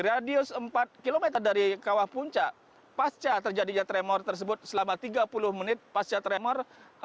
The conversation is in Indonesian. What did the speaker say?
radius empat km dari kawah puncak pasca terjadinya tremor tersebut selama tiga puluh menit pasca tremor